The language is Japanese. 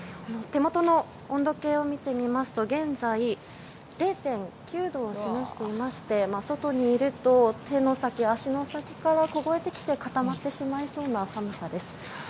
手元の温度計を見てみますと現在、０．９度を示していまして外にいると手の先、足の先から凍えてきて固まってしまいそうな寒さです。